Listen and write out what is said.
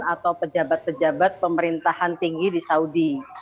atau pejabat pejabat pemerintahan tinggi di saudi